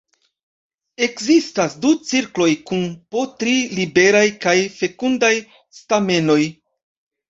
Ekzistas du cirkloj kun po tri liberaj kaj fekundaj stamenoj.